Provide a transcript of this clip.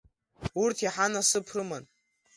Урҭ иаҳа насыԥ рыман.